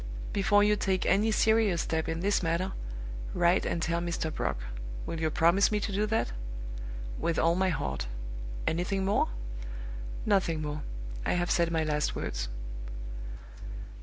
"Before you take any serious step in this matter, write and tell Mr. Brock. Will you promise me to do that?" "With all my heart. Anything more?" "Nothing more. I have said my last words."